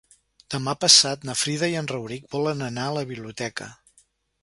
Demà passat na Frida i en Rauric volen anar a la biblioteca.